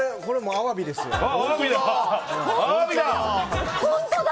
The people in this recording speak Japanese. アワビだ！